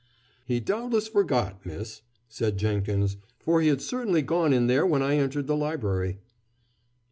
"He doubtless forgot, miss," said Jenkins, "for he had certainly gone in there when I entered the library."